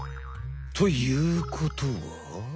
ということは？